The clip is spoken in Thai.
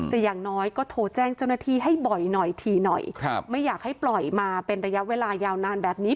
แต่อย่างน้อยก็โทรแจ้งเจ้าหน้าที่ให้บ่อยหน่อยทีหน่อยไม่อยากให้ปล่อยมาเป็นระยะเวลายาวนานแบบนี้